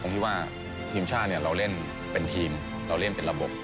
ผมคิดว่าทีมชาติเนี่ยเราเล่นเป็นทีมเราเล่นเป็นระบบ